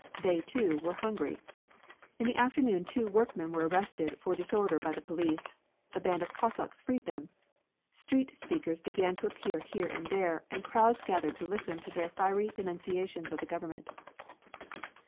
They, too, were hungry. In the afternoon two workmen were arrested for disorder by the police. A band of Cossacks freed them. Street speakers began to appear here and there, and crowds gathered to listen to their fiery denunciations of the government.